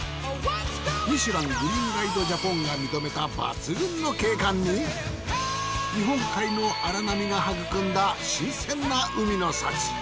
ミシュラン・グリーンガイド・ジャポンが認めた抜群の景観に日本海の荒波がはぐくんだ新鮮な海の幸！